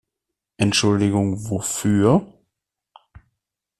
Entschuldigung wofür?